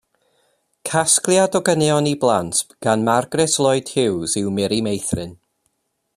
Casgliad o ganeuon i blant gan Margaret Lloyd Hughes yw Miri Meithrin.